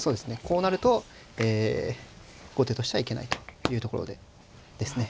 こうなると後手としてはいけないというところで。ですね。